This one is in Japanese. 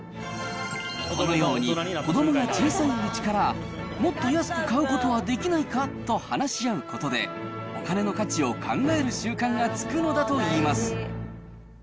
このように、子どもが小さいうちから、もっと安く買うことはできないかと話し合うことで、お金を価値を考える習慣がつくのだといいます。